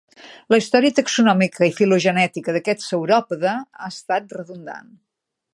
La història taxonòmica i filogenètica d'aquest sauròpode ha estat redundant.